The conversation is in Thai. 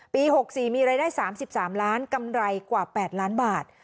๖๔มีรายได้๓๓ล้านกำไรกว่า๘ล้านบาท